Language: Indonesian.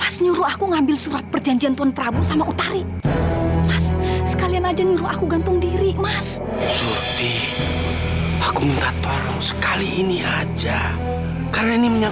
sampai jumpa di video selanjutnya